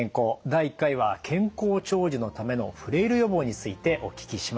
第１回は「健康長寿」のためのフレイル予防についてお聞きしました。